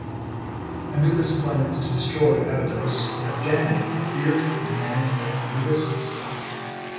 Anubis plans to destroy Abydos but Daniel appears and demands that Anubis stop.